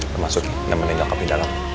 termasuk yang meninggal ke pendalam